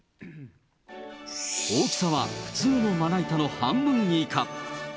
大きさは普通のまな板の半分以下。